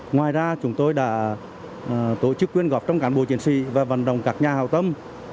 ngoài ra chúng tôi đã tổ chức quyên góp trong cán bộ chiến sĩ và vận động các nhà hào tâm